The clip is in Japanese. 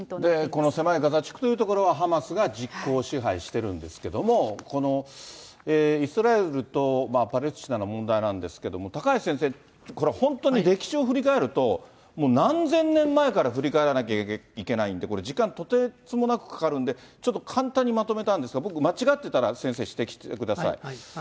この狭いガザ地区というところがハマスが実効支配してるんですけれども、このイスラエルとパレスチナの問題なんですけれども、高橋先生、これは本当に歴史を振り返ると、もう何千年前から振り返らなきゃいけないんで、時間とてつもなくかかるんで、ちょっと簡単にまとめたんですが、僕、間違ってたら先生、指摘してください。